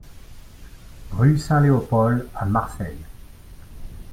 Rue Saint-Léopold à Marseille